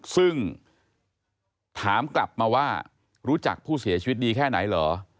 ซึ่งถามกลับมาว่ารู้จักผู้เสียชีวิตดีแค่ไหนเหรอ